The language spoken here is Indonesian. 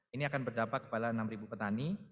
ini akan berdampak kepada enam petani